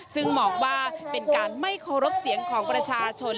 ซึ่งมองว่าเป็นการไม่เคารพเสียงของประชาชน